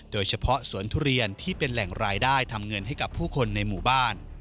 โดยเฉพาะสวนทุเรียนที่เป็นแหล่งรายได้ทำเงินให้กับผู้คนในหมู่บ้าน